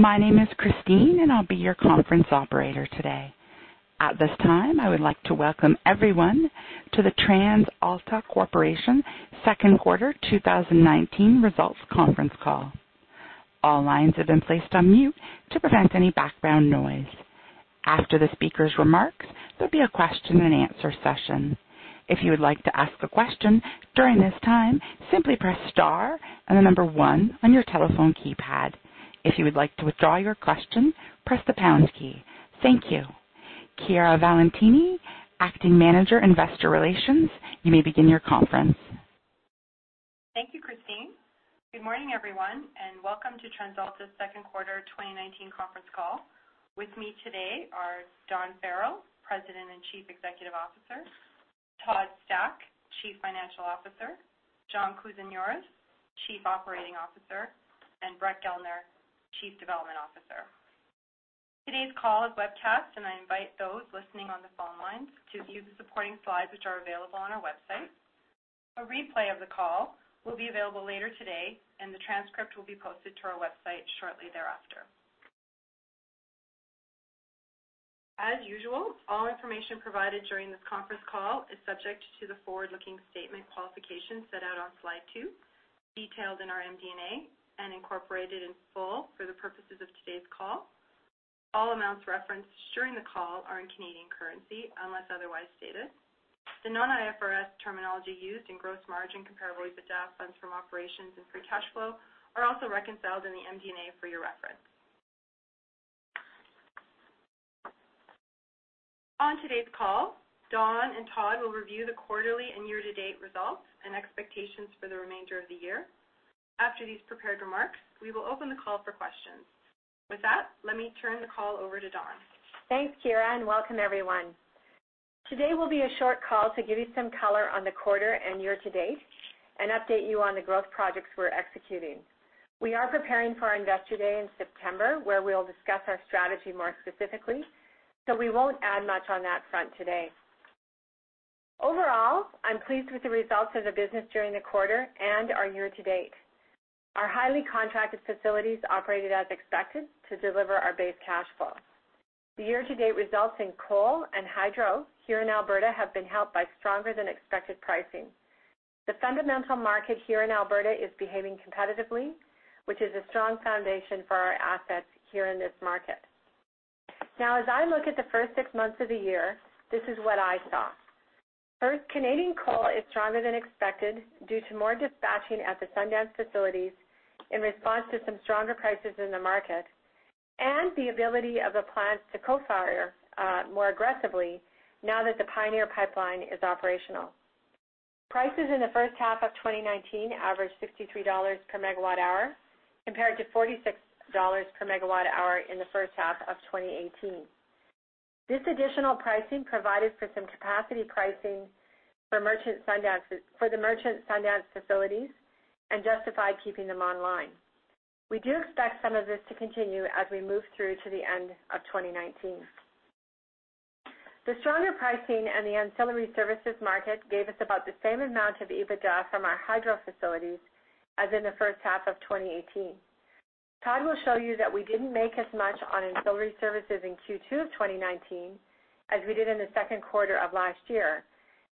My name is Christine, and I'll be your conference operator today. At this time, I would like to welcome everyone to the TransAlta Corporation Second Quarter 2019 Results Conference Call. All lines have been placed on mute to prevent any background noise. After the speaker's remarks, there'll be a question and answer session. If you would like to ask a question during this time, simply press star and the number one on your telephone keypad. If you would like to withdraw your question, press the pounds key. Thank you. Chiara Valentini, acting Manager, Investor Relations, you may begin your conference. Thank you, Christine. Good morning, everyone, and welcome to TransAlta's Second Quarter 2019 Conference Call. With me today are Dawn Farrell, President and Chief Executive Officer, Todd Stack, Chief Financial Officer, John Kousinioris, Chief Operating Officer, and Brett Gellner, Chief Development Officer. Today's call is webcast, and I invite those listening on the phone lines to view the supporting slides which are available on our website. A replay of the call will be available later today, and the transcript will be posted to our website shortly thereafter. As usual, all information provided during this conference call is subject to the forward-looking statement qualifications set out on slide two, detailed in our MD&A, and incorporated in full for the purposes of today's call. All amounts referenced during the call are in Canadian currency, unless otherwise stated. The non-IFRS terminology used in gross margin, comparable EBITDA, funds from operations, and free cash flow are also reconciled in the MD&A for your reference. On today's call, Dawn and Todd will review the quarterly and year-to-date results and expectations for the remainder of the year. After these prepared remarks, we will open the call for questions. With that, let me turn the call over to Dawn. Thanks, Chiara, and welcome everyone. Today will be a short call to give you some color on the quarter and year-to-date and update you on the growth projects we're executing. We are preparing for our Investor Day in September, where we'll discuss our strategy more specifically, so we won't add much on that front today. Overall, I'm pleased with the results of the business during the quarter and our year-to-date. Our highly contracted facilities operated as expected to deliver our base cash flow. The year-to-date results in coal and hydro here in Alberta have been helped by stronger than expected pricing. The fundamental market here in Alberta is behaving competitively, which is a strong foundation for our assets here in this market. Now, as I look at the first six months of the year, this is what I saw. First, Canadian coal is stronger than expected due to more dispatching at the Sundance facilities in response to some stronger prices in the market and the ability of the plants to co-fire more aggressively now that the Pioneer Pipeline is operational. Prices in the first half of 2019 averaged 63 dollars per megawatt hour, compared to 46 dollars per megawatt hour in the first half of 2018. This additional pricing provided for some capacity pricing for the merchant Sundance facilities and justified keeping them online. We do expect some of this to continue as we move through to the end of 2019. The stronger pricing and the ancillary services market gave us about the same amount of EBITDA from our hydro facilities as in the first half of 2018. Todd will show you that we didn't make as much on ancillary services in Q2 of 2019 as we did in the second quarter of last year.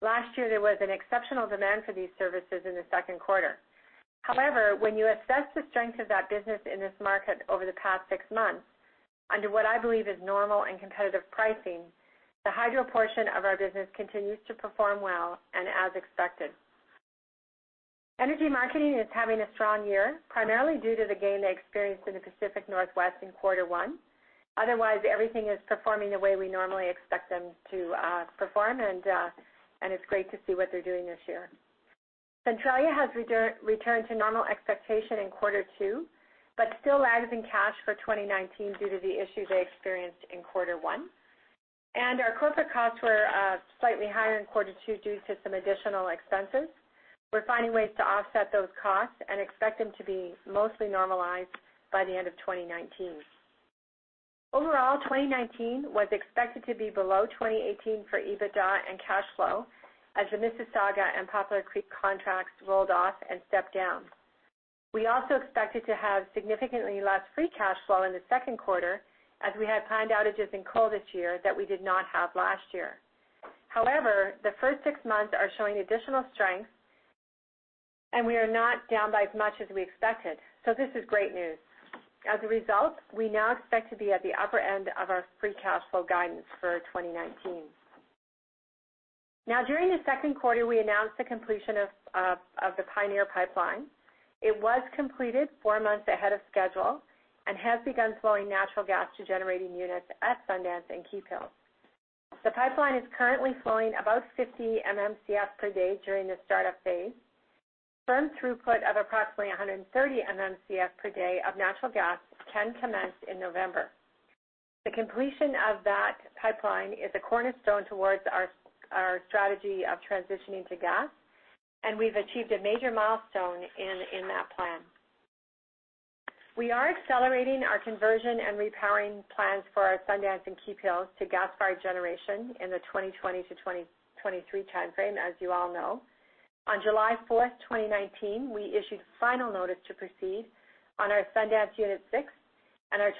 Last year, there was an exceptional demand for these services in the second quarter. When you assess the strength of that business in this market over the past six months under what I believe is normal and competitive pricing, the hydro portion of our business continues to perform well and as expected. Energy marketing is having a strong year, primarily due to the gain they experienced in the Pacific Northwest in quarter one. Otherwise, everything is performing the way we normally expect them to perform, and it's great to see what they're doing this year. Centralia has returned to normal expectation in quarter two, but still lags in cash for 2019 due to the issues they experienced in quarter one. Our corporate costs were slightly higher in quarter two due to some additional expenses. We're finding ways to offset those costs and expect them to be mostly normalized by the end of 2019. Overall, 2019 was expected to be below 2018 for EBITDA and cash flow as the Mississauga and Poplar Creek contracts rolled off and stepped down. We also expected to have significantly less free cash flow in the second quarter as we had planned outages in coal this year that we did not have last year. However, the first six months are showing additional strength, and we are not down by as much as we expected. This is great news. As a result, we now expect to be at the upper end of our free cash flow guidance for 2019. During the second quarter, we announced the completion of the Pioneer Pipeline. It was completed four months ahead of schedule and has begun flowing natural gas to generating units at Sundance and Keephills. The pipeline is currently flowing about 50 MMcf per day during the startup phase. Firm throughput of approximately 130 MMcf per day of natural gas can commence in November. The completion of that pipeline is a cornerstone towards our strategy of transitioning to gas, and we've achieved a major milestone in that plan. We are accelerating our conversion and repowering plans for our Sundance and Keephills to gas-fired generation in the 2020 to 2023 timeframe, as you all know. On July 4, 2019, we issued final notice to proceed on our Sundance unit 6, and are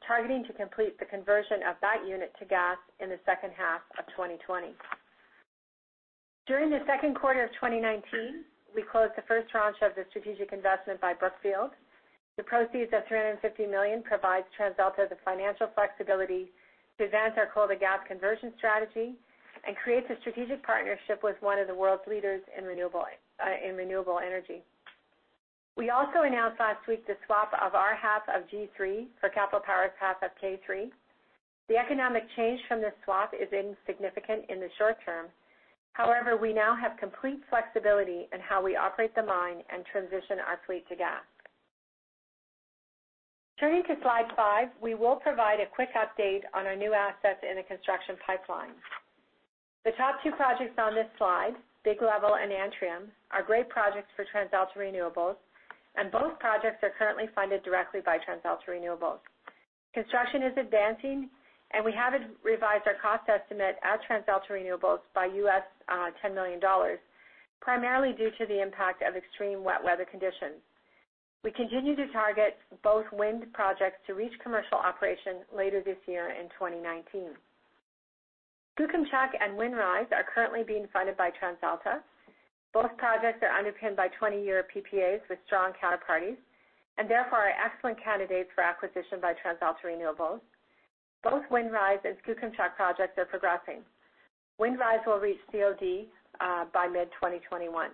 targeting to complete the conversion of that unit to gas in the second half of 2020. During the second quarter of 2019, we closed the first tranche of the strategic investment by Brookfield. The proceeds of 350 million provides TransAlta the financial flexibility to advance our coal-to-gas conversion strategy and creates a strategic partnership with one of the world's leaders in renewable energy. We also announced last week the swap of our half of G3 for Capital Power's half of K3. The economic change from this swap is insignificant in the short term. However, we now have complete flexibility in how we operate the mine and transition our fleet to gas. Turning to slide five, we will provide a quick update on our new assets in the construction pipeline. The top two projects on this slide, Big Level and Antrim, are great projects for TransAlta Renewables, and both projects are currently funded directly by TransAlta Renewables. Construction is advancing, and we have revised our cost estimate at TransAlta Renewables by US$10 million, primarily due to the impact of extreme wet weather conditions. We continue to target both wind projects to reach commercial operation later this year in 2019. Skookumchuck and Windrise are currently being funded by TransAlta. Both projects are underpinned by 20-year PPAs with strong counterparties, and therefore are excellent candidates for acquisition by TransAlta Renewables. Both Windrise and Skookumchuck projects are progressing. Windrise will reach COD by mid-2021.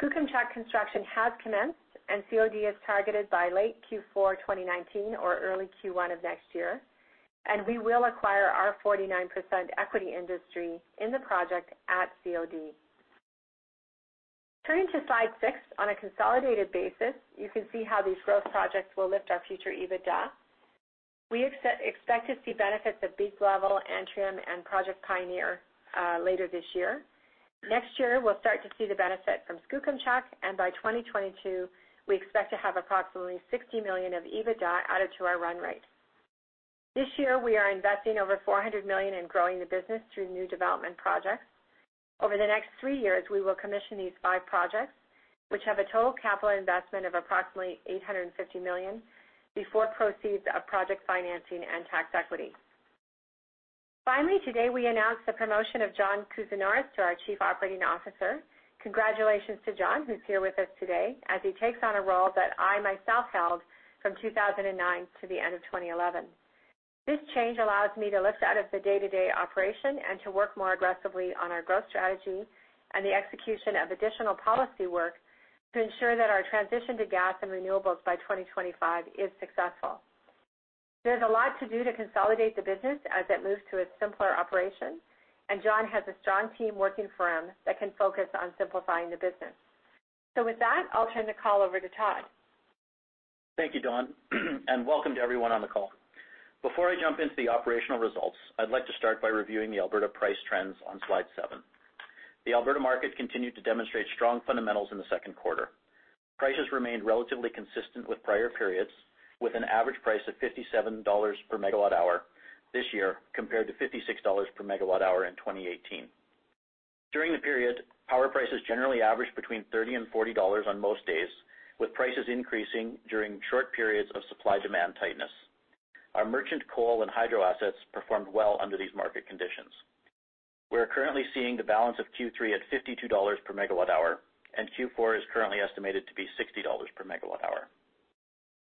Skookumchuck construction has commenced, and COD is targeted by late Q4 2019 or early Q1 of next year. We will acquire our 49% equity interest in the project at COD. Turning to slide six, on a consolidated basis, you can see how these growth projects will lift our future EBITDA. We expect to see benefits of Big Level, Antrim, and Project Pioneer later this year. Next year, we'll start to see the benefit from Skookumchuck, and by 2022, we expect to have approximately 60 million of EBITDA added to our run rate. This year, we are investing over 400 million in growing the business through new development projects. Over the next three years, we will commission these five projects, which have a total capital investment of approximately 850 million before proceeds of project financing and tax equity. Finally, today we announced the promotion of John Kousinioris to our Chief Operating Officer. Congratulations to John, who's here with us today as he takes on a role that I myself held from 2009 to the end of 2011. This change allows me to lift out of the day-to-day operation and to work more aggressively on our growth strategy and the execution of additional policy work to ensure that our transition to gas and renewables by 2025 is successful. There's a lot to do to consolidate the business as it moves to a simpler operation. John has a strong team working for him that can focus on simplifying the business. With that, I'll turn the call over to Todd. Thank you, Dawn, and welcome to everyone on the call. Before I jump into the operational results, I would like to start by reviewing the Alberta price trends on slide seven. The Alberta market continued to demonstrate strong fundamentals in the second quarter. Prices remained relatively consistent with prior periods, with an average price of 57 dollars per megawatt hour this year, compared to 56 dollars per megawatt hour in 2018. During the period, power prices generally averaged between 30 and 40 dollars on most days, with prices increasing during short periods of supply-demand tightness. Our merchant coal and hydro assets performed well under these market conditions. We are currently seeing the balance of Q3 at 52 dollars per megawatt hour, and Q4 is currently estimated to be 60 dollars per megawatt hour.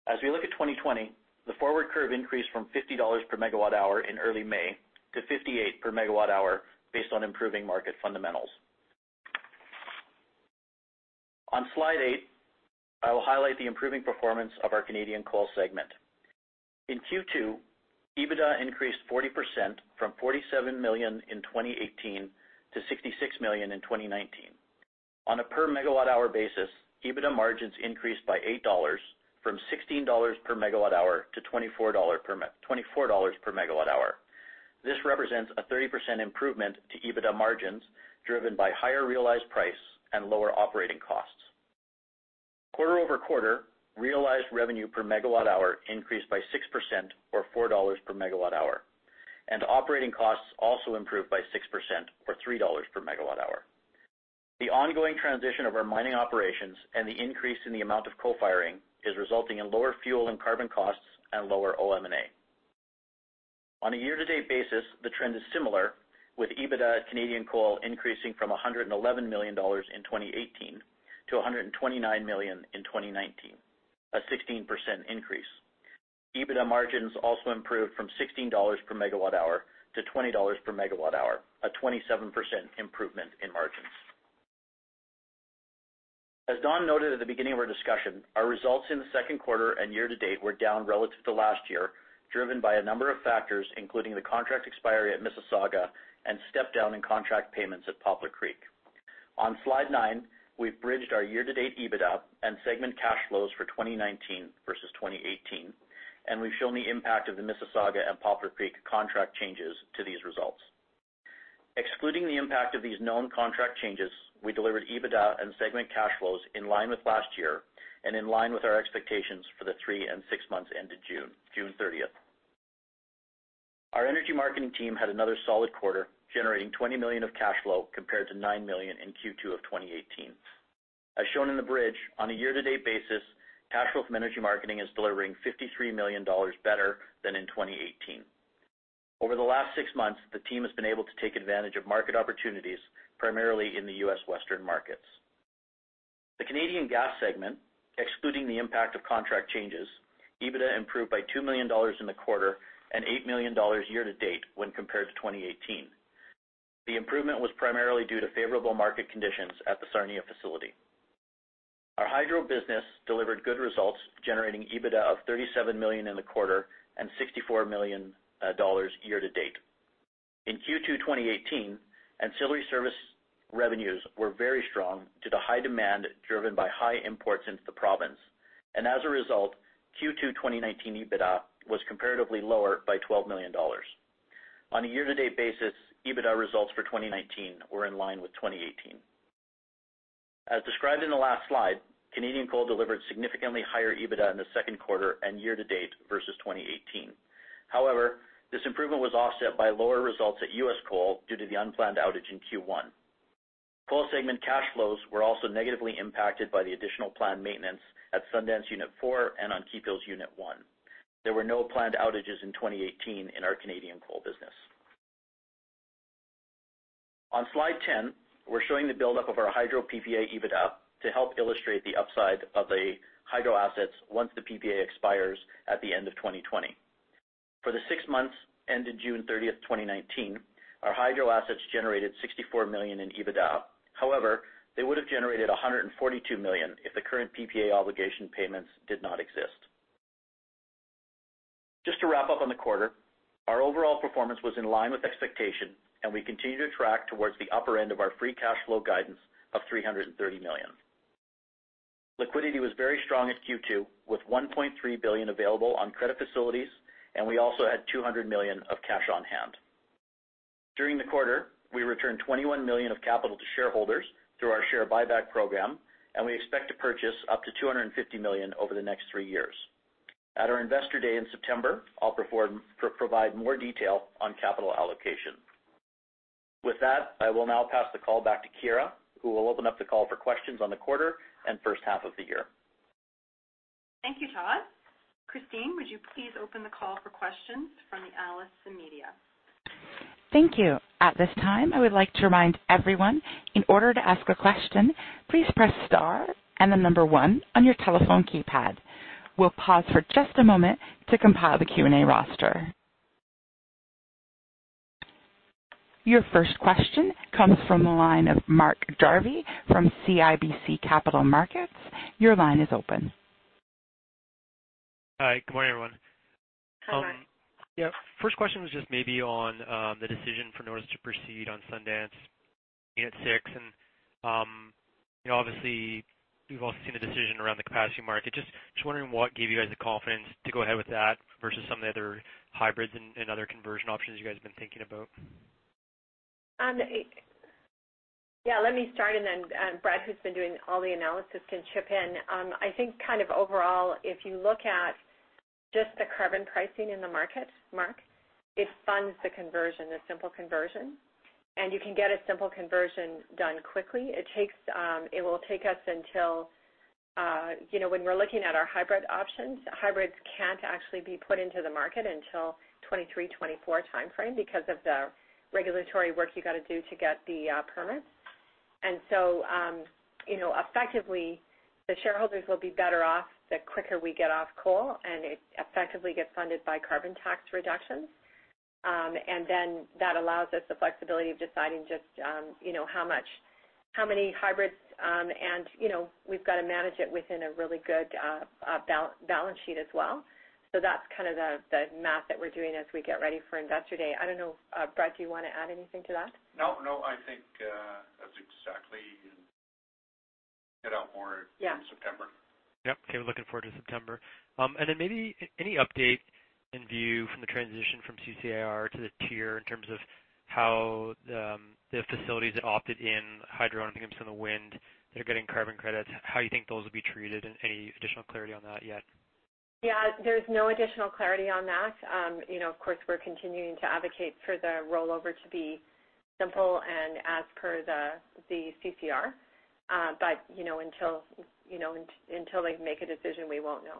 As we look at 2020, the forward curve increased from 50 dollars per megawatt hour in early May to 58 per megawatt hour based on improving market fundamentals. On slide eight, I will highlight the improving performance of our Canadian Coal segment. In Q2, EBITDA increased 40%, from 47 million in 2018 to 66 million in 2019. On a per megawatt hour basis, EBITDA margins increased by 8 dollars, from 16 dollars per megawatt hour to 24 dollars per megawatt hour. This represents a 30% improvement to EBITDA margins, driven by higher realized price and lower operating costs. Quarter-over-quarter, realized revenue per megawatt hour increased by 6% or 4 dollars per megawatt hour, and operating costs also improved by 6% or 3 dollars per megawatt hour. The ongoing transition of our mining operations and the increase in the amount of co-firing is resulting in lower fuel and carbon costs and lower OM&A. On a year-to-date basis, the trend is similar, with EBITDA Canadian Coal increasing from 111 million dollars in 2018 to 129 million in 2019, a 16% increase. EBITDA margins also improved from 16 dollars per megawatt hour to 20 dollars per megawatt hour, a 27% improvement in margins. As Dawn noted at the beginning of our discussion, our results in the second quarter and year-to-date were down relative to last year, driven by a number of factors, including the contract expiry at Mississauga and step down in contract payments at Poplar Creek. On slide nine, we've bridged our year-to-date EBITDA and segment cash flows for 2019 versus 2018, and we've shown the impact of the Mississauga and Poplar Creek contract changes to these results. Excluding the impact of these known contract changes, we delivered EBITDA and segment cash flows in line with last year and in line with our expectations for the three and 6 months ended June 30th. Our energy marketing team had another solid quarter, generating 20 million of cash flow compared to 9 million in Q2 of 2018. As shown in the bridge, on a year-to-date basis, cash flow from energy marketing is delivering 53 million dollars better than in 2018. Over the last 6 months, the team has been able to take advantage of market opportunities, primarily in the U.S. Western markets. The Canadian gas segment, excluding the impact of contract changes, EBITDA improved by 2 million dollars in the quarter and 8 million dollars year-to-date when compared to 2018. The improvement was primarily due to favorable market conditions at the Sarnia facility. Our hydro business delivered good results, generating EBITDA of 37 million in the quarter and 64 million dollars year to date. In Q2 2018, ancillary service revenues were very strong due to high demand driven by high imports into the province, and as a result, Q2 2019 EBITDA was comparatively lower by 12 million dollars. On a year-to-date basis, EBITDA results for 2019 were in line with 2018. As described in the last slide, Canadian coal delivered significantly higher EBITDA in the second quarter and year to date versus 2018. This improvement was offset by lower results at US coal due to the unplanned outage in Q1. Coal segment cash flows were also negatively impacted by the additional planned maintenance at Sundance Unit 4 and on Keephills Unit 1. There were no planned outages in 2018 in our Canadian coal business. On slide 10, we are showing the buildup of our hydro PPA EBITDA to help illustrate the upside of the hydro assets once the PPA expires at the end of 2020. For the six months ended June 30th, 2019, our hydro assets generated 64 million in EBITDA. However, they would have generated 142 million if the current PPA obligation payments did not exist. Just to wrap up on the quarter, our overall performance was in line with expectation, and we continue to track towards the upper end of our free cash flow guidance of 330 million. Liquidity was very strong at Q2, with 1.3 billion available on credit facilities, and we also had 200 million of cash on hand. During the quarter, we returned 21 million of capital to shareholders through our share buyback program, and we expect to purchase up to 250 million over the next three years. At our Investor Day in September, I will provide more detail on capital allocation. With that, I will now pass the call back to Chiara, who will open up the call for questions on the quarter and first half of the year. Thank you, Todd. Christine, would you please open the call for questions from the analysts and media? Thank you. At this time, I would like to remind everyone, in order to ask a question, please press star and the number one on your telephone keypad. We will pause for just a moment to compile the Q&A roster. Your first question comes from the line of Mark Jarvi from CIBC Capital Markets. Your line is open. Hi, good morning, everyone. Hi, Mark. Yeah. First question was just maybe on the decision for notice to proceed on Sundance 6. Obviously we've all seen the decision around the capacity market. Just wondering what gave you guys the confidence to go ahead with that versus some of the other hybrids and other conversion options you guys have been thinking about? Yeah, let me start and then Brett, who's been doing all the analysis, can chip in. I think kind of overall, if you look at just the carbon pricing in the market, Mark, it funds the conversion, the simple conversion. You can get a simple conversion done quickly. When we're looking at our hybrid options, hybrids can't actually be put into the market until 2023, 2024 timeframe because of the regulatory work you got to do to get the permits. Effectively, the shareholders will be better off the quicker we get off coal, and it effectively gets funded by carbon tax reductions. That allows us the flexibility of deciding just how many hybrids, and we've got to manage it within a really good balance sheet as well. That's kind of the math that we're doing as we get ready for Investor Day. I don't know, Brett, do you want to add anything to that? No. I think, that's exactly. Yeah in September. Yep. Okay, looking forward to September. Maybe any update in view from the transition from CCIR to the TIER in terms of how the facilities that opted in, hydro, and perhaps some of the wind that are getting carbon credits, how you think those will be treated? Any additional clarity on that yet? Yeah. There's no additional clarity on that. Of course, we're continuing to advocate for the rollover to be simple and as per the CCIR. Until they make a decision, we won't know.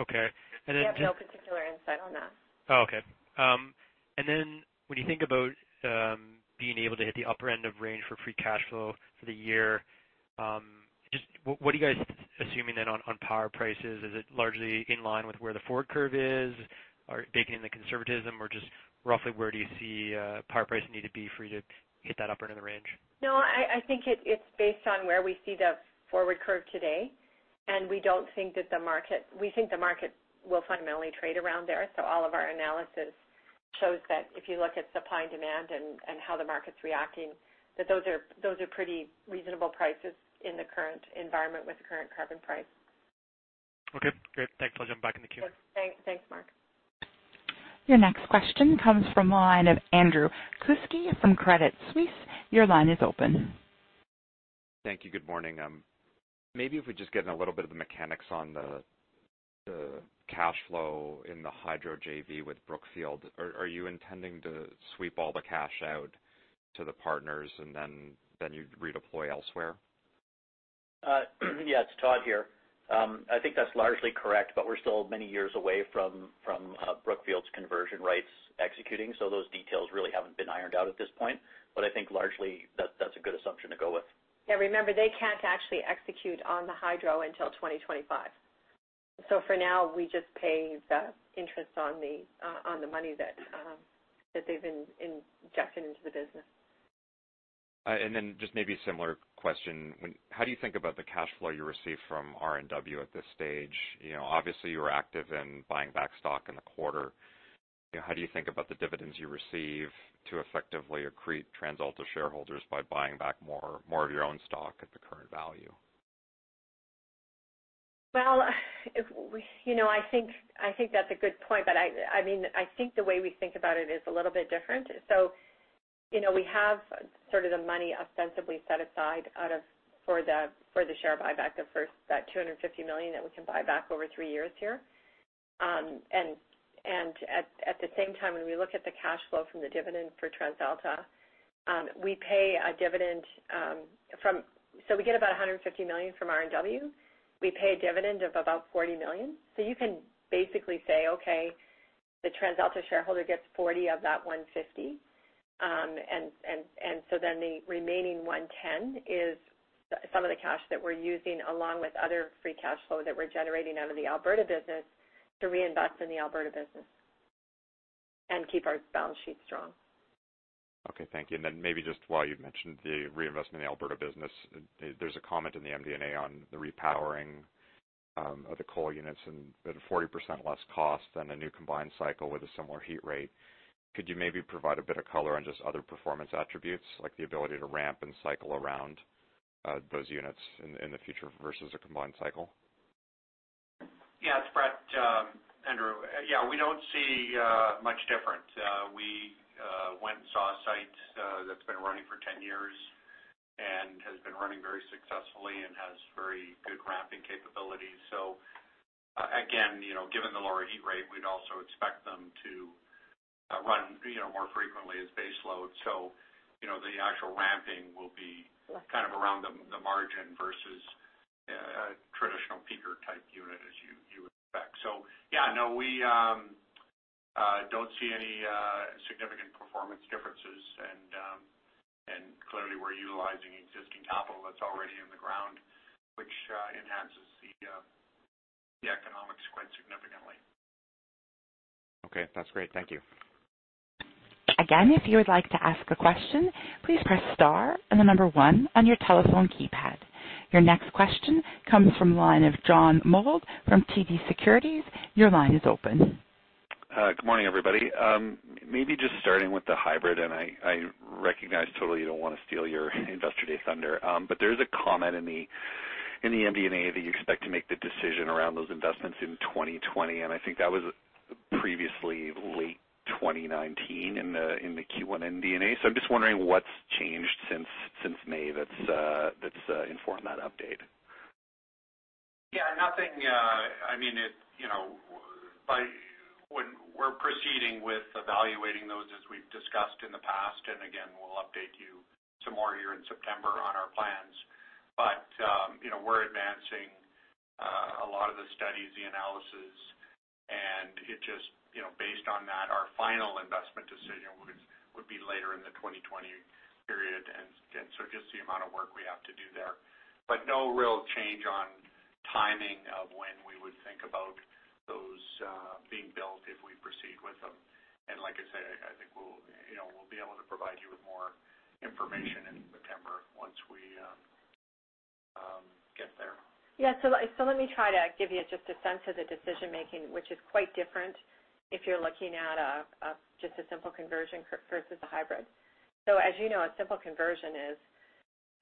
Okay. Then- We have no particular insight on that. Oh, okay. When you think about being able to hit the upper end of range for free cash flow for the year, just what are you guys assuming then on power prices? Is it largely in line with where the forward curve is? Are you baking in the conservatism or just roughly where do you see power pricing need to be for you to hit that upper end of the range? No, I think it's based on where we see the forward curve today, and we think the market will fundamentally trade around there. All of our analysis shows that if you look at supply and demand and how the market's reacting, that those are pretty reasonable prices in the current environment with the current carbon price. Okay, great. Thanks. I'll jump back in the queue. Thanks. Mark. Your next question comes from the line of Andrew Kuske from Credit Suisse. Your line is open. Thank you. Good morning. Maybe if we just get in a little bit of the mechanics on the cash flow in the hydro JV with Brookfield. Are you intending to sweep all the cash out to the partners and then you'd redeploy elsewhere? It's Todd here. I think that's largely correct, but we're still many years away from Brookfield's conversion rights executing, so those details really haven't been ironed out at this point. I think largely that's a good assumption to go with. Yeah, remember, they can't actually execute on the hydro until 2025. For now, we just pay the interest on the money that they've injected into the business. Just maybe a similar question? How do you think about the cash flow you receive from RNW at this stage? Obviously, you were active in buying back stock in the quarter. How do you think about the dividends you receive to effectively accrete TransAlta shareholders by buying back more of your own stock at the current value? I think that's a good point, but I think the way we think about it is a little bit different. We have sort of the money ostensibly set aside for the share buyback, the first, that 250 million that we can buy back over three years here. At the same time, when we look at the cash flow from the dividend for TransAlta, we get about 150 million from RNW. We pay a dividend of about 40 million. You can basically say, okay, the TransAlta shareholder gets 40 of that 150. The remaining 110 is some of the cash that we're using, along with other free cash flow that we're generating out of the Alberta business to reinvest in the Alberta business and keep our balance sheet strong. Okay, thank you. Then maybe just while you've mentioned the reinvestment in the Alberta business, there's a comment in the MD&A on the repowering of the coal units at a 40% less cost than a new combined cycle with a similar heat rate. Could you maybe provide a bit of color on just other performance attributes, like the ability to ramp and cycle around those units in the future versus a combined cycle? Yeah. It's Brett, Andrew. Yeah, we don't see much difference. We went and saw a site that's been running for 10 years and has been running very successfully and has very good ramping capabilities. Again, given the lower heat rate, we'd also expect them to run more frequently as base load. The actual ramping will be kind of around the margin versus a traditional peaker-type unit, as you would expect. Yeah, no, we don't see any significant performance differences. Clearly, we're utilizing existing capital that's already in the ground, which enhances the economics quite significantly. Okay. That's great. Thank you. Again, if you would like to ask a question, please press star and the number one on your telephone keypad. Your next question comes from the line of John Mould from TD Securities. Your line is open. Good morning, everybody. Maybe just starting with the hybrid. I recognize totally you don't want to steal your Investor Day thunder. There is a comment in the MD&A that you expect to make the decision around those investments in 2020, and I think that was previously late 2019 in the Q1 MD&A. I'm just wondering what's changed since May that's informed that update. Yeah, nothing. We're proceeding with evaluating those as we've discussed in the past. Again, we'll update you some more here in September on our plans. We're advancing a lot of the studies, the analysis, and based on that, our final investment decision would be later in the 2020 period. Just the amount of work we have to do there. No real change on timing of when we would think about those being built if we proceed with them. Like I said, I think we'll be able to provide you with more information in September once we get there. Yeah. Let me try to give you just a sense of the decision-making, which is quite different if you're looking at just a simple conversion versus a hybrid. As you know, a simple conversion is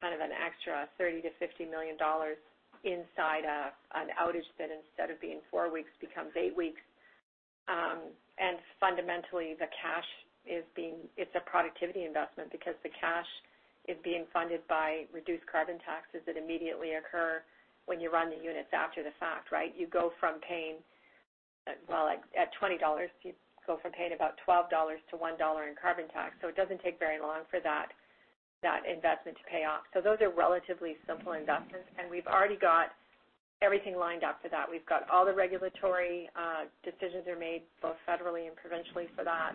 kind of an extra 30 million-50 million dollars inside an outage that instead of being four weeks, becomes eight weeks. Fundamentally, the cash is a productivity investment because the cash is being funded by reduced carbon taxes that immediately occur when you run the units after the fact, right? At 20 dollars, you go from paying about 12-1 dollars in carbon tax. It doesn't take very long for that investment to pay off. Those are relatively simple investments, and we've already got everything lined up for that. We've got all the regulatory decisions are made, both federally and provincially for that.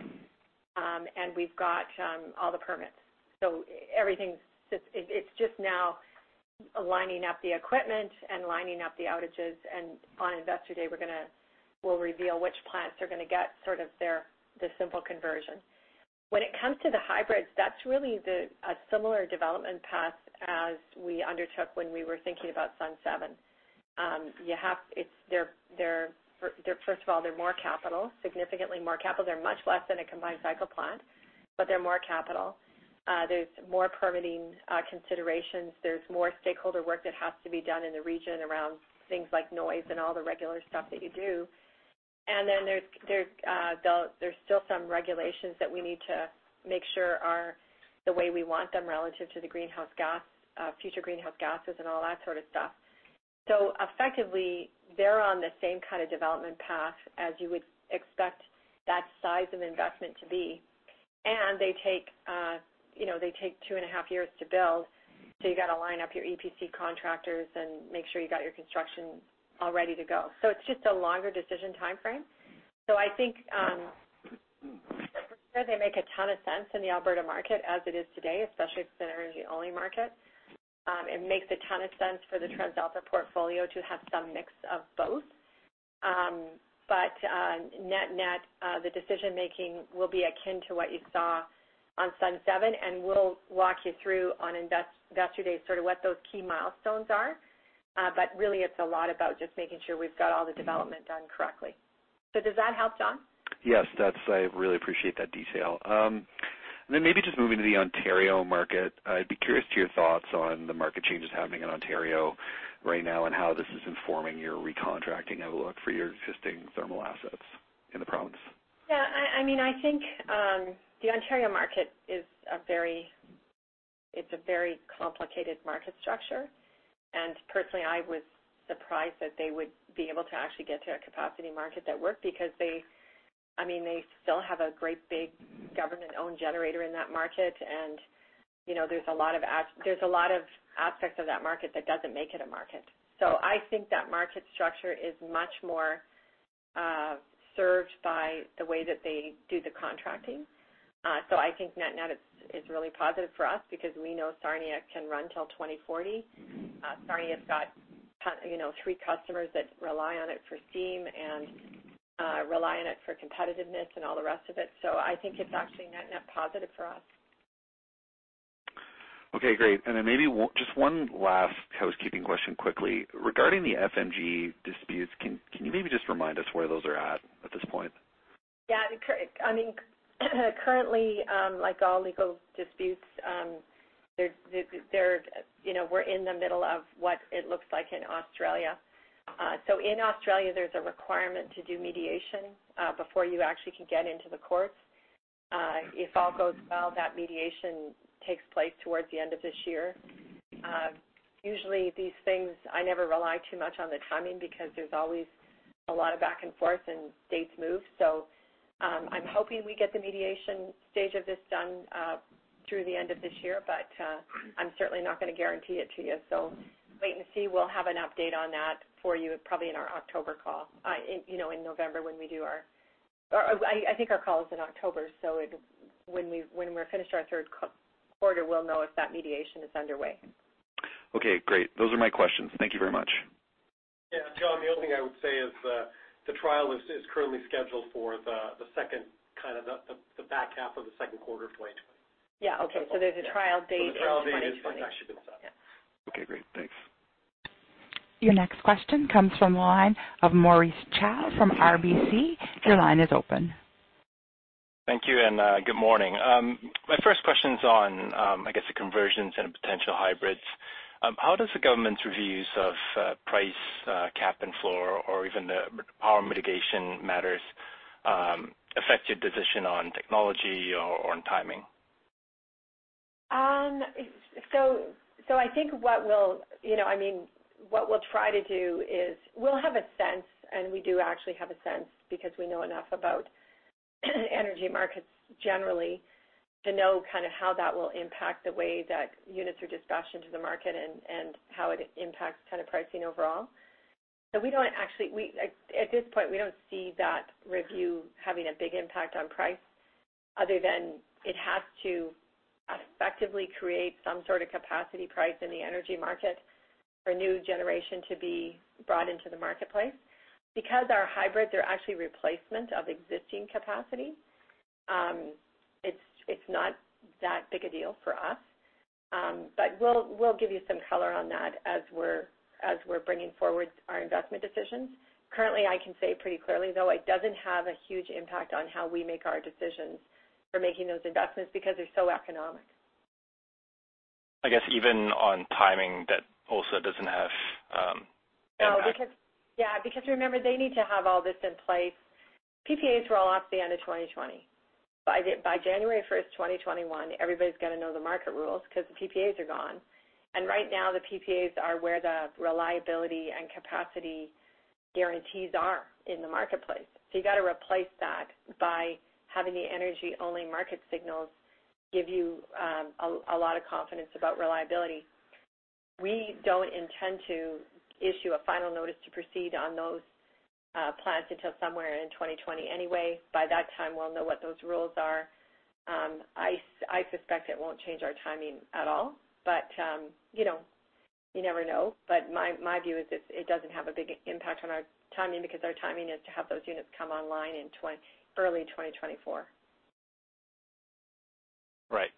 We've got all the permits. It's just now aligning up the equipment and lining up the outages. On Investor Day, we'll reveal which plants are going to get sort of the simple conversion. When it comes to the hybrids, that's really a similar development path as we undertook when we were thinking about Sundance 7. First of all, they're more capital, significantly more capital. They're much less than a combined cycle plant, but they're more capital. There's more permitting considerations. There's more stakeholder work that has to be done in the region around things like noise and all the regular stuff that you do. Then there's still some regulations that we need to make sure are the way we want them relative to the future greenhouse gases and all that sort of stuff. Effectively, they're on the same kind of development path as you would expect that size of investment to be. They take two and a half years to build, so you got to line up your EPC contractors and make sure you got your construction all ready to go. It's just a longer decision timeframe. I think, they make a ton of sense in the Alberta market as it is today, especially if it's an energy-only market. It makes a ton of sense for the TransAlta portfolio to have some mix of both. Net, the decision-making will be akin to what you saw on Sundance 7, and we'll walk you through on Investor Day sort of what those key milestones are. Really it's a lot about just making sure we've got all the development done correctly. Does that help, John? Yes. I really appreciate that detail. Then maybe just moving to the Ontario market, I'd be curious to your thoughts on the market changes happening in Ontario right now, and how this is informing your recontracting outlook for your existing thermal assets in the province. Yeah. I think the Ontario market is a very complicated market structure. Personally, I was surprised that they would be able to actually get to a capacity market that worked because they still have a great big government-owned generator in that market. There's a lot of aspects of that market that doesn't make it a market. I think that market structure is much more served by the way that they do the contracting. I think net, it's really positive for us because we know Sarnia can run till 2040. Sarnia's got three customers that rely on it for steam and rely on it for competitiveness and all the rest of it. I think it's actually net positive for us. Okay, great. Maybe just one last housekeeping question quickly. Regarding the FMG disputes, can you maybe just remind us where those are at this point? Yeah. Currently, like all legal disputes, we're in the middle of what it looks like in Australia. In Australia, there's a requirement to do mediation before you actually can get into the courts. If all goes well, that mediation takes place towards the end of this year. Usually these things, I never rely too much on the timing because there's always a lot of back and forth, and dates move. I'm hoping we get the mediation stage of this done through the end of this year, but I'm certainly not going to guarantee it to you. Wait and see. We'll have an update on that for you probably in our October call. I think our call is in October, so when we're finished our third quarter, we'll know if that mediation is underway. Okay, great. Those are my questions. Thank you very much. Yeah, John, the only thing I would say is the trial is currently scheduled for the back half of the second quarter of 2020. Yeah. Okay. There's a trial date in 2020. The trial date has actually been set. Okay, great. Thanks. Your next question comes from the line of Maurice Choy from RBC. Your line is open. Thank you, and good morning. My first question's on, I guess the conversions and potential hybrids. How does the government's reviews of price cap and floor or even the power mitigation matters affect your decision on technology or on timing? I think what we'll try to do is we'll have a sense, and we do actually have a sense because we know enough about energy markets generally to know how that will impact the way that units are dispatched into the market and how it impacts pricing overall. At this point, we don't see that review having a big impact on price other than it has to effectively create some sort of capacity price in the energy market for new generation to be brought into the marketplace. Our hybrids are actually replacement of existing capacity, it's not that big a deal for us. We'll give you some color on that as we're bringing forward our investment decisions. Currently, I can say pretty clearly, though, it doesn't have a huge impact on how we make our decisions for making those investments because they're so economic. I guess even on timing, that also doesn't have impact. Yeah. Remember, they need to have all this in place. PPAs roll off the end of 2020. By January 1st, 2021, everybody's got to know the market rules because the PPAs are gone. Right now, the PPAs are where the reliability and capacity guarantees are in the marketplace. You got to replace that by having the energy-only market signals give you a lot of confidence about reliability. We don't intend to issue a final notice to proceed on those plans until somewhere in 2020 anyway. By that time, we'll know what those rules are. I suspect it won't change our timing at all. You never know, but my view is it doesn't have a big impact on our timing because our timing is to have those units come online in early 2024. Right.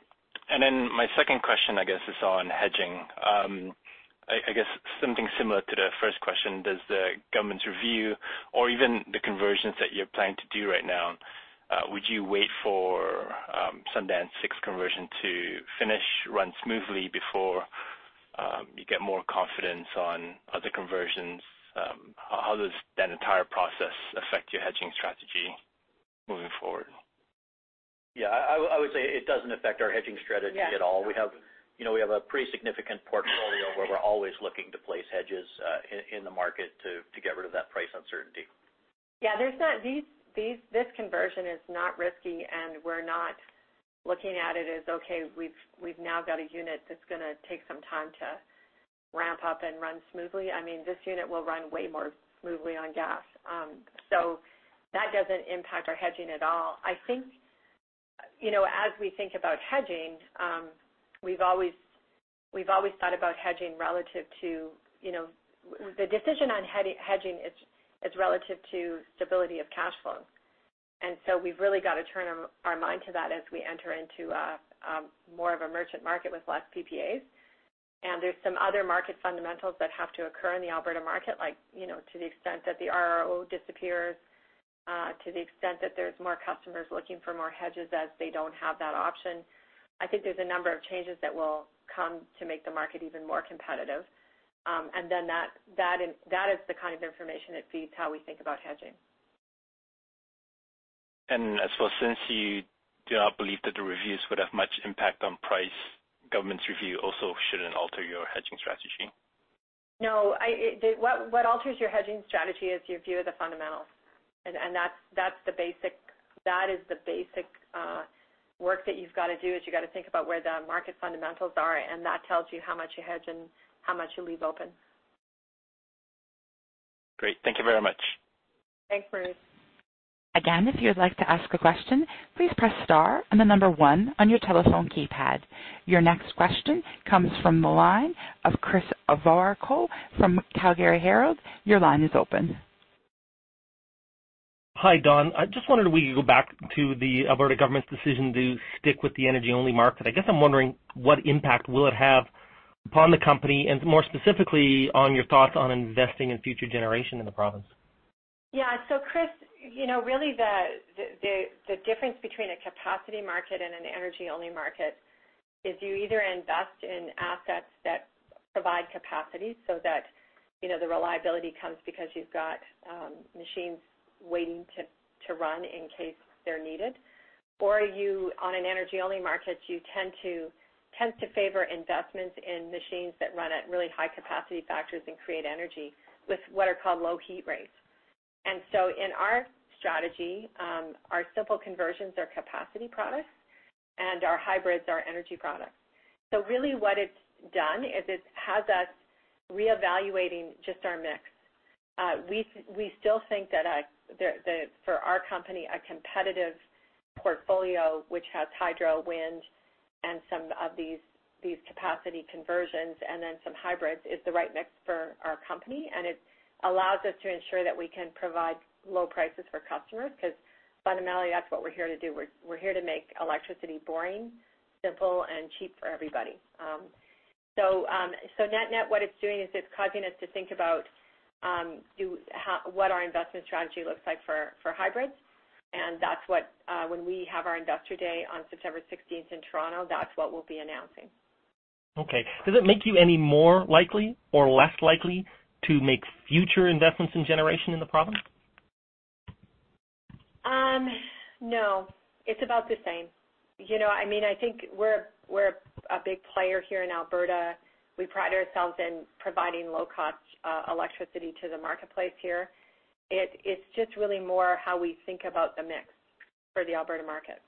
My second question is on hedging. Something similar to the first question, does the government's review or even the conversions that you're planning to do right now, would you wait for Sundance 6 conversion to finish, run smoothly before you get more confidence on other conversions? How does that entire process affect your hedging strategy moving forward? Yeah, I would say it doesn't affect our hedging strategy at all. Yeah. We have a pretty significant portfolio where we're always looking to place hedges in the market to get rid of that price uncertainty. This conversion is not risky. We're not looking at it as, okay, we've now got a unit that's going to take some time to ramp up and run smoothly. This unit will run way more smoothly on gas. That doesn't impact our hedging at all. The decision on hedging is relative to stability of cash flow. We've really got to turn our mind to that as we enter into more of a merchant market with less PPAs. There's some other market fundamentals that have to occur in the Alberta market, like to the extent that the RRO disappears, to the extent that there's more customers looking for more hedges as they don't have that option. I think there's a number of changes that will come to make the market even more competitive. That is the kind of information that feeds how we think about hedging. I suppose since you do not believe that the reviews would have much impact on price, government's review also shouldn't alter your hedging strategy? No. What alters your hedging strategy is your view of the fundamentals. That is the basic work that you've got to do, is you got to think about where the market fundamentals are, and that tells you how much you hedge and how much you leave open. Great. Thank you very much. Thanks, Maurice. Again, if you would like to ask a question, please press star and the number one on your telephone keypad. Your next question comes from the line of Chris Varcoe from Calgary Herald. Your line is open. Hi, Dawn. I just wondered if we could go back to the Alberta government's decision to stick with the energy-only market. I guess I'm wondering what impact will it have upon the company and more specifically, on your thoughts on investing in future generation in the province? Yeah. Chris, really the difference between a capacity market and an energy-only market is you either invest in assets that provide capacity so that the reliability comes because you've got machines waiting to run in case they're needed, or on an energy-only market, you tend to favor investments in machines that run at really high capacity factors and create energy with what are called low heat rates. In our strategy, our simple conversions are capacity products and our hybrids are energy products. Really what it's done is it has us reevaluating just our mix. We still think that for our company, a competitive portfolio which has hydro, wind, and some of these capacity conversions and then some hybrids is the right mix for our company, and it allows us to ensure that we can provide low prices for customers, because fundamentally, that's what we're here to do. We're here to make electricity boring, simple, and cheap for everybody. Net what it's doing is it's causing us to think about what our investment strategy looks like for hybrids. When we have our Investor Day on September 16th in Toronto, that's what we'll be announcing. Okay. Does it make you any more likely or less likely to make future investments in generation in the province? No. It's about the same. I think we're a big player here in Alberta. We pride ourselves in providing low-cost electricity to the marketplace here. It's just really more how we think about the mix for the Alberta market.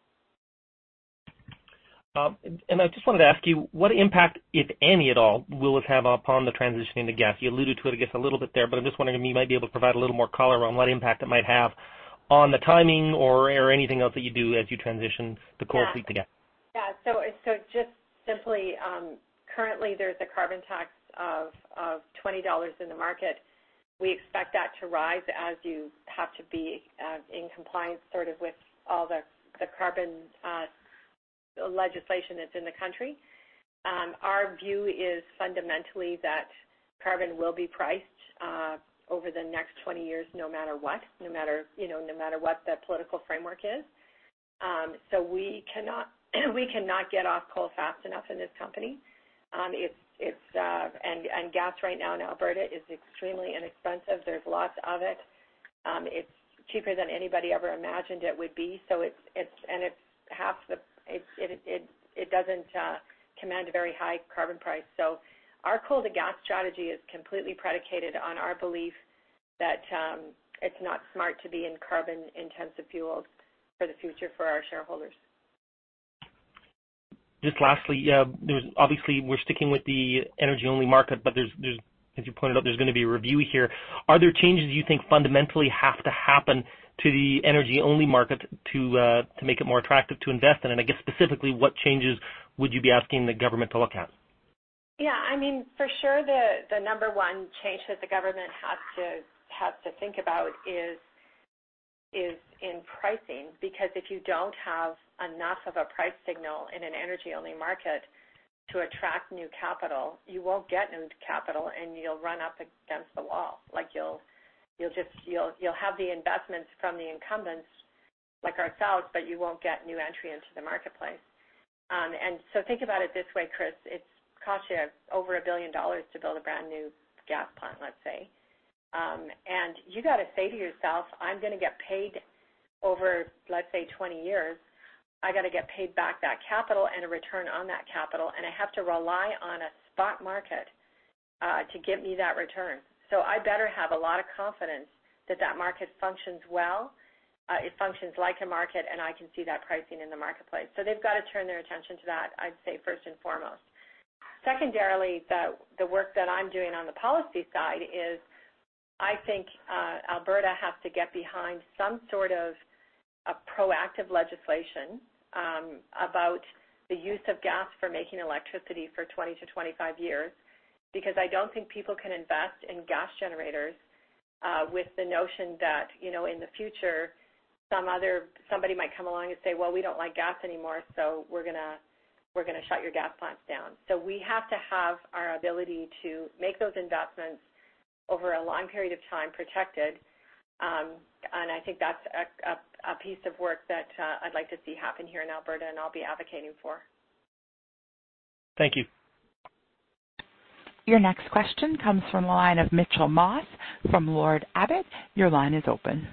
I just wanted to ask you, what impact, if any at all, will it have upon the transitioning to gas? You alluded to it, I guess, a little bit there, but I'm just wondering if you might be able to provide a little more color around what impact it might have on the timing or anything else that you do as you transition the core fleet to gas. Just simply, currently there's a carbon tax of 20 dollars in the market. We expect that to rise as you have to be in compliance sort of with all the carbon legislation that's in the country. Our view is fundamentally that carbon will be priced over the next 20 years, no matter what the political framework is. We cannot get off coal fast enough in this company. Gas right now in Alberta is extremely inexpensive. There's lots of it. It's cheaper than anybody ever imagined it would be, and it doesn't command a very high carbon price. Our coal to gas strategy is completely predicated on our belief that it's not smart to be in carbon-intensive fuels for the future for our shareholders. Lastly, obviously we're sticking with the energy-only market, as you pointed out, there's going to be a review here. Are there changes you think fundamentally have to happen to the energy-only market to make it more attractive to invest in? I guess specifically, what changes would you be asking the government to look at? Yeah. For sure, the number one change that the government has to think about is in pricing. If you don't have enough of a price signal in an energy-only market to attract new capital, you won't get new capital, and you'll run up against the wall. You'll have the investments from the incumbents like ourselves, but you won't get new entry into the marketplace. Think about it this way, Chris, it costs you over 1 billion dollars to build a brand-new gas plant, let's say. You got to say to yourself, "I'm going to get paid over, let's say, 20 years. I got to get paid back that capital and a return on that capital, and I have to rely on a spot market to get me that return. I better have a lot of confidence that that market functions well, it functions like a market, and I can see that pricing in the marketplace. They've got to turn their attention to that, I'd say, first and foremost. Secondarily, the work that I'm doing on the policy side is, I think Alberta has to get behind some sort of a proactive legislation about the use of gas for making electricity for 20 to 25 years. I don't think people can invest in gas generators with the notion that in the future, somebody might come along and say, "Well, we don't like gas anymore, so we're going to shut your gas plants down." We have to have our ability to make those investments over a long period of time protected. I think that's a piece of work that I'd like to see happen here in Alberta, and I'll be advocating for. Thank you. Your next question comes from the line of Mitchell Moss from Lord Abbett. Your line is open.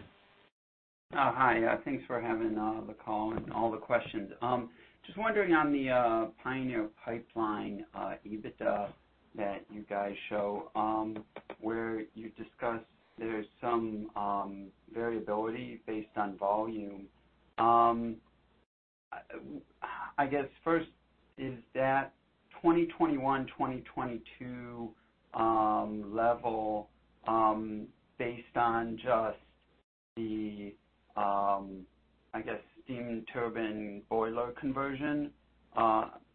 Hi. Thanks for having the call and all the questions. Just wondering on the Pioneer Pipeline EBITDA that you guys show where you discuss there is some variability based on volume. I guess, first, is that 2021, 2022 level based on just the, I guess, steam turbine boiler conversion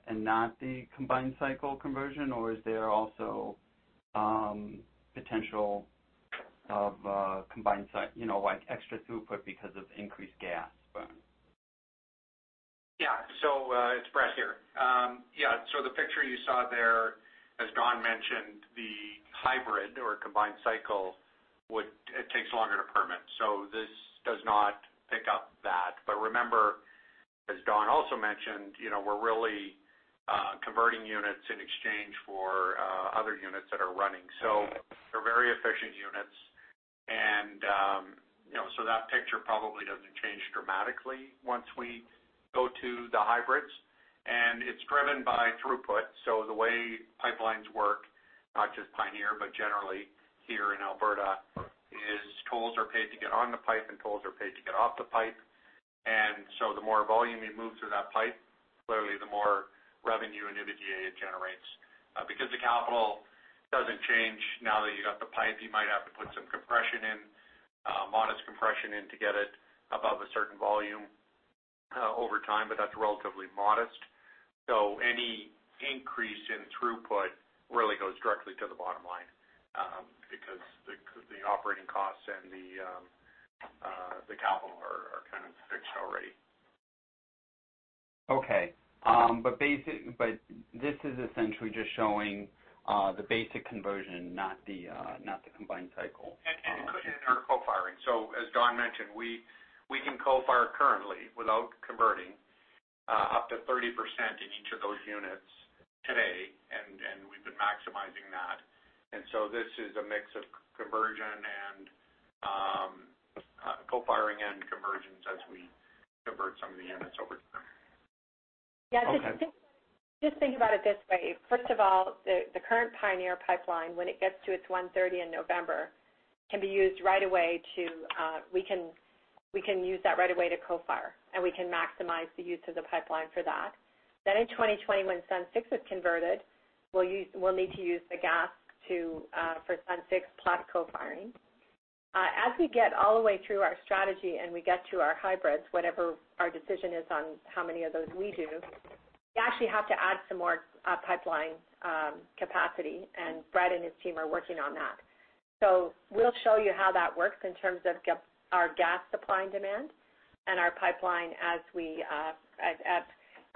and not the combined cycle conversion? Is there also potential of combined cycle, like extra throughput because of increased gas burn? It's Brett here. The picture you saw there, as Dawn mentioned, the hybrid or combined cycle takes longer to permit. Remember, as Dawn also mentioned, we're really converting units in exchange for other units that are running. They're very efficient units and so that picture probably doesn't change dramatically once we go to the hybrids. It's driven by throughput. The way pipelines work, not just Pioneer, but generally here in Alberta, is tolls are paid to get on the pipe, and tolls are paid to get off the pipe. The more volume you move through that pipe, clearly the more revenue and EBITDA it generates. Because the capital doesn't change now that you got the pipe, you might have to put some modest compression in, to get it above a certain volume over time, but that's relatively modest. Any increase in throughput really goes directly to the bottom line because the operating costs and the capital are kind of fixed already. Okay. This is essentially just showing the basic conversion, not the combined cycle. It could enter co-firing. As Dawn mentioned, we can co-fire currently without converting up to 30% in each of those units today, and we've been maximizing that. This is a mix of conversion and co-firing and conversions as we convert some of the units over time. Okay. Yeah. Just think about it this way. First of all, the current Pioneer Pipeline, when it gets to its 130 in November, we can use that right away to co-fire, and we can maximize the use of the pipeline for that. In 2020, when Sundance 6 is converted, we'll need to use the gas for Sundance 6 plus co-firing. As we get all the way through our strategy and we get to our hybrids, whatever our decision is on how many of those we do, we actually have to add some more pipeline capacity, and Brett and his team are working on that. We'll show you how that works in terms of our gas supply and demand and our pipeline at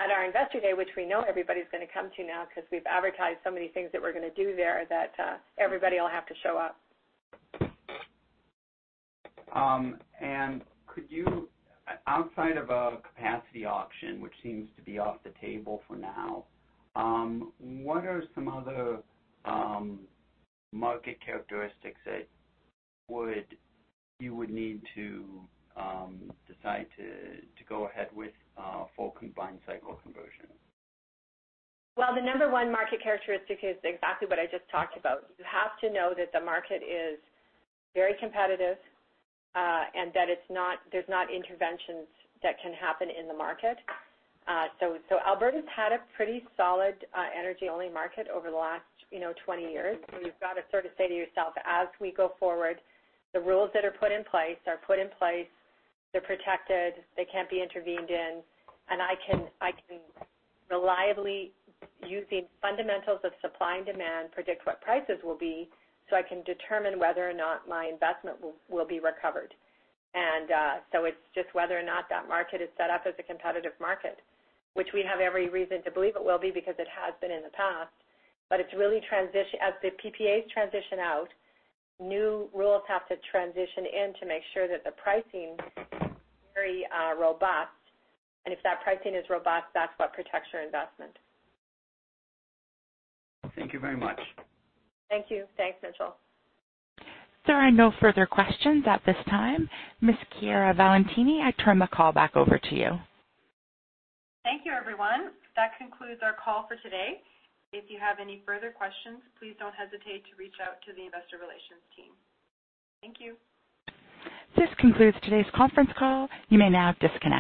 our Investor Day, which we know everybody's going to come to now because we've advertised so many things that we're going to do there that everybody will have to show up. Could you, outside of a capacity auction, which seems to be off the table for now, what are some other market characteristics that you would need to decide to go ahead with full combined cycle conversion? Well, the number one market characteristic is exactly what I just talked about. You have to know that the market is very competitive and that there's not interventions that can happen in the market. Alberta's had a pretty solid energy-only market over the last 20 years. You've got to sort of say to yourself, as we go forward, the rules that are put in place are put in place, they're protected, they can't be intervened in. I can reliably, using fundamentals of supply and demand, predict what prices will be so I can determine whether or not my investment will be recovered. It's just whether or not that market is set up as a competitive market, which we have every reason to believe it will be because it has been in the past. As the PPAs transition out, new rules have to transition in to make sure that the pricing is very robust. If that pricing is robust, that's what protects your investment. Thank you very much. Thank you. Thanks, Mitchell. There are no further questions at this time. Ms. Chiara Valentini, I turn the call back over to you. Thank you, everyone. That concludes our call for today. If you have any further questions, please don't hesitate to reach out to the investor relations team. Thank you. This concludes today's conference call. You may now disconnect.